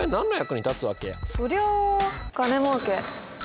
そりゃあ金もうけとか？